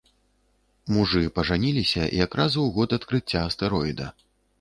Мужы пажаніліся якраз у год адкрыцця астэроіда.